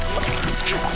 くっ。